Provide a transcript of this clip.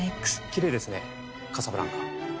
キレイですねカサブランカ。